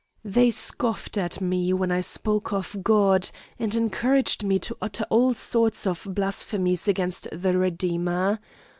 They scoffed at me, when I spoke of God, and encouraged me to utter all sorts of blasphemies against the Redeemer.